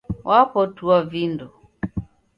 Wapotua vindo